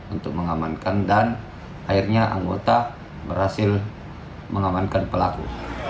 untuk mengamankan dan akhirnya anggota berhasil mengamankan pelaku